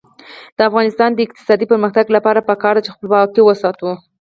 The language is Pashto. د افغانستان د اقتصادي پرمختګ لپاره پکار ده چې خپلواکي وساتو.